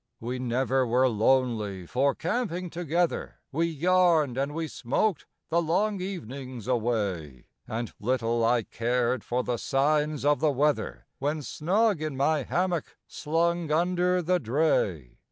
We never were lonely, for, camping together, We yarned and we smoked the long evenings away, And little I cared for the signs of the weather When snug in my hammock slung under the dray.